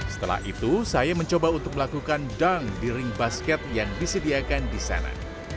setelah itu saya mencoba untuk melakukan down di ring basket yang disediakan di sana